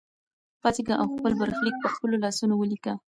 پاڅېږه او خپل برخلیک په خپلو لاسونو ولیکه.